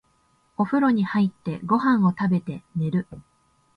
お風呂に入って、ご飯を食べて、寝る。